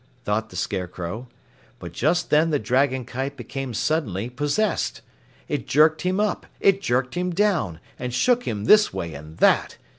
thought the Scarecrow. But just then the dragon kite became suddenly possessed. It jerked him up, it jerked him down, and shook him this way and that.